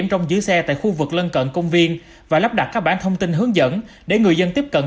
trong kinh tế phương nam